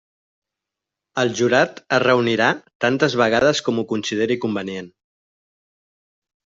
El jurat es reunirà tantes vegades com ho consideri convenient.